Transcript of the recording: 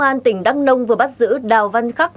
công an tỉnh đắk nông vừa bắt giữ đào văn khắc